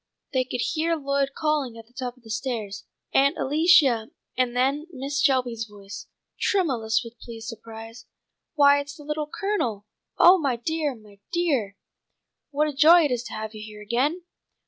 They could hear Lloyd calling at the top of the stairs, "Aunt Alicia," and then Mrs. Shelby's voice, tremulous with pleased surprise: "Why it's the Little Colonel! Oh, my dear! My dear! what a joy it is to have you here again!"